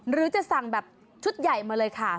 หรือจะสั่งแบบชุดใหญ่มาเลยค่ะ